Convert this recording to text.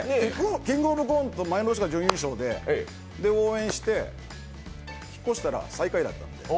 「キングオブコント」、前の日、準優勝で応援して、引っ越したら最下位だった。